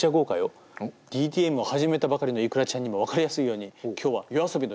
ＤＴＭを始めたばかりのｉｋｕｒａちゃんにも分かりやすいように今日はＹＯＡＳＯＢＩの大ヒット曲